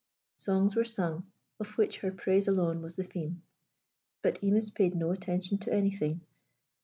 Songs were sung, of which her praise alone was the theme. But Imis paid no attention to anything.